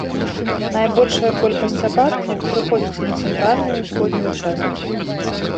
Найбольшая колькасць ападкаў прыходзіцца на цэнтральную і ўсходнюю часткі.